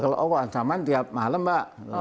kalau oh kok ancaman tiap malam pak